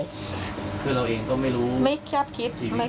เราเองก็ไม่รู้ไม่แค่คิดไม่แค่คิด